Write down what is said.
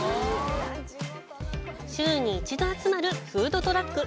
週に一度集まるフードトラック。